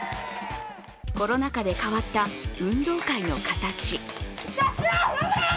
コロナ禍で変わった運動会の形。